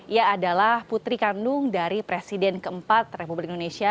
ia adalah putri kandung dari presiden keempat republik indonesia